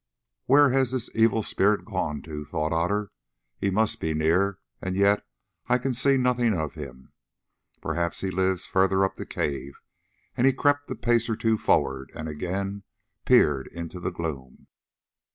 "Where has this evil spirit gone to?" thought Otter; "he must be near, and yet I can see nothing of him. Perhaps he lives further up the cave"; and he crept a pace or two forward and again peered into the gloom.